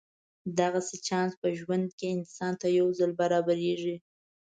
دغسې چانس په ژوند کې انسان ته یو ځل برابرېږي.